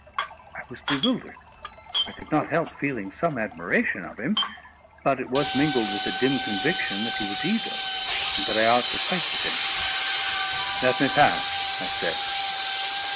I was bewildered. I could not help feeling some admiration of him, but it was mingled with a dim conviction that he was evil, and that I ought to fight with him. "Let me pass," I said.